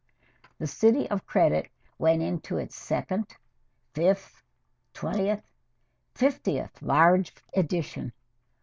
"The City of Credit" went into its second, fifth, twentieth, fiftieth large edition.